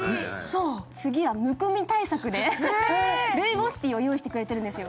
次はむくみ対策で、ルイボスティーを擁してくれているんですよ。